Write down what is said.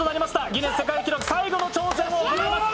ギネス世界記録最後の挑戦を行います。